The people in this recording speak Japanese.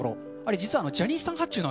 実は？